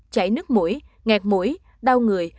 chảy nước mũi nghẹt mũi đau người